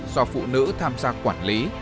do phụ nữ tham gia quản lý